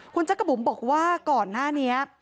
คุณจักรบุ๋มบอกว่าก่อนหน้านี้